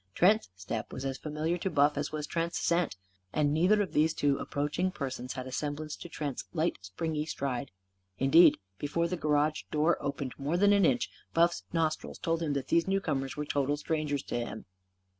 Trent's step was as familiar to Buff as was Trent's scent. And neither of these two approaching persons had a semblance to Trent's light, springy stride. Indeed, before the garage door opened more than an inch, Buff's nostrils told him that these newcomers were total strangers to him.